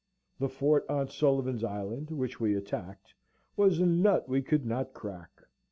The fort on Sullivan's Island, which we attacked, was a nut we could not crack.